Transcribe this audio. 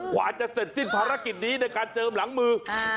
พอเราก็จะเสร็จที่นี้ในการเจิมหลังมือ